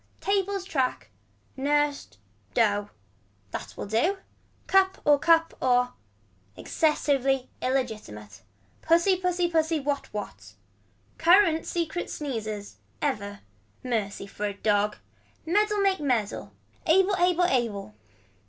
Tables track. Nursed. Dough. That will do. Cup or cup or. Excessively illigitimate. Pussy pussy pussy what what. Current secret sneezers. Ever. Mercy for a dog. Medal make medal. Able able able.